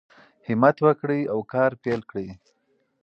همت وکړئ او کار پیل کړئ.